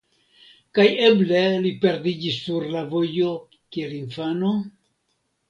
Kaj eble li perdiĝis sur la vojo kiel infano?